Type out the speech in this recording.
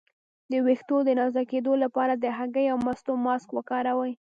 د ویښتو د نازکیدو لپاره د هګۍ او مستو ماسک وکاروئ